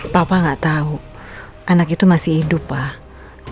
papa nggak tahu anak itu masih hidup pak